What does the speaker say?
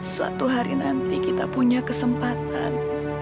suatu hari nanti kita punya kesempatan